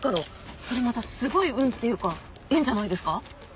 それまたすごい運っていうか縁じゃないですか？